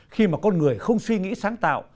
khi mà con người không suy nghĩ sáng tạo